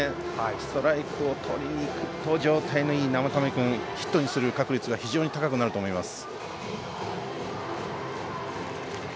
ストライクをとりにくると状態のいい生田目君ヒットにする確率が非常に高くなると思います。